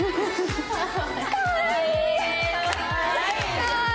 かわいい。